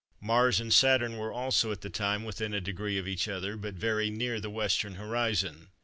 Mars and Saturn were also, at that time, within a degree of each other, but very near the western horizon.